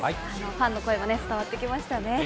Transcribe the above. ファンの声も伝わってきましたね。